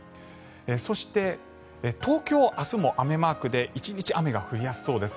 そして東京、明日も雨マークで１日雨が降りやすそうです。